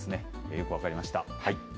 よく分かりました。